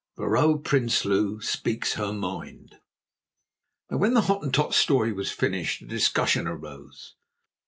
VROUW PRINSLOO SPEAKS HER MIND Now, when the Hottentot's story was finished a discussion arose.